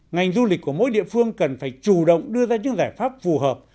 ngành du lịch của mỗi địa phương cần phải chủ động đưa ra những giải pháp phù hợp